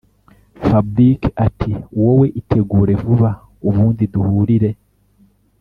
fabric ati wowe itegure vuba ubundi duhurire